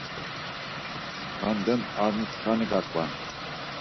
Skanden armutxani gaǩvan.